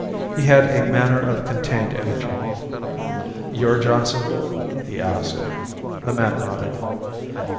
He had a manner of contained energy. "You're Johnson?" he asked. The man nodded.